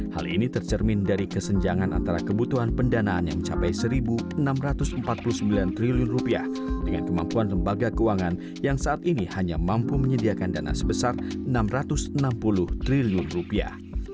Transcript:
hal ini tercermin dari kesenjangan antara kebutuhan pendanaan yang mencapai satu enam ratus empat puluh sembilan triliun rupiah dengan kemampuan lembaga keuangan yang saat ini hanya mampu menyediakan dana sebesar enam ratus enam puluh triliun rupiah